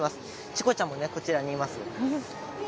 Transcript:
チコちゃんもこちらにいます。